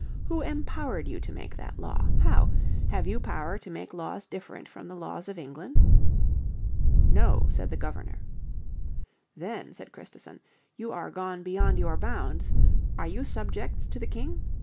Who empowered you to make that law? How! Have you power to make laws different from the laws of England?" "No," said the Governor. "Then," said Christison, "you are gone beyond your bounds. Are you subjects to the King?